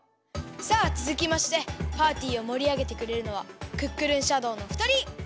さあつづきましてパーティーをもりあげてくれるのはクックルンシャドーのふたり！